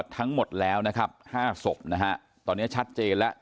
ทั้งหมดแล้วนะครับ๕ศพนะฮะตอนนี้ชัดเจนแล้ว